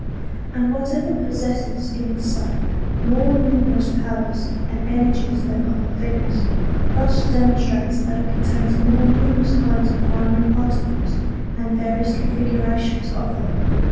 And whatever possesses in itself more numerous powers and ener gies than other things, thus demonstrates that it contains more numerous kinds of primary particles and various configura tions of them.